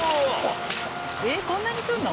えっこんなにするの？